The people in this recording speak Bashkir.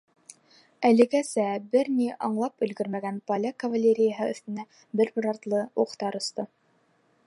Әлегәсә бер ни аңлап өлгөрмәгән поляк кавалерияһы өҫтөнә бер-бер артлы уҡтар осто.